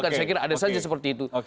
saya kira ada saja seperti itu